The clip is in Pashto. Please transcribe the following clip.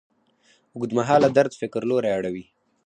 اوږدمهاله درد د فکر لوری اړوي.